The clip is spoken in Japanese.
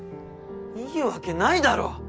いいわけないだろ！